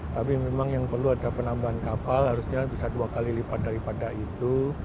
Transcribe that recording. tapi memang yang perlu ada penambahan kapal harusnya bisa dua kali lipat daripada itu